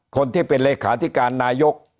คนที่เป็นเลขาธิการนายก